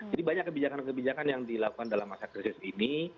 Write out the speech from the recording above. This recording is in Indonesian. jadi banyak kebijakan kebijakan yang dilakukan dalam masa krisis ini